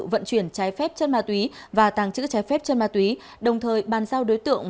vận chuyển trái phép chân ma túy và tàng trữ trái phép chân ma túy đồng thời bàn giao đối tượng